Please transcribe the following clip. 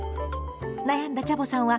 悩んだチャボさんは